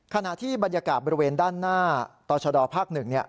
ขณะที่บรรยากาศบริเวณด้านหน้าตศภ๑เนี่ย